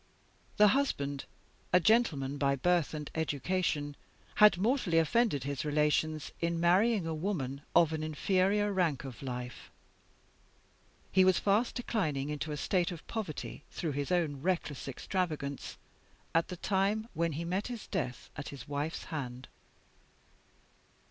The husband, a gentleman by birth and education, had mortally offended his relations in marrying a woman of an inferior rank of life. He was fast declining into a state of poverty, through his own reckless extravagance, at the time when he met with his death at his wife's hand.